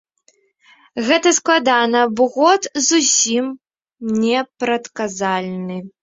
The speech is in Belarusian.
Гэта складана, бо год зусім непрадказальны!